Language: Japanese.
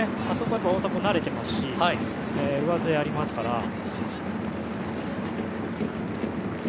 あそこは大迫、慣れていますし上背ありますから。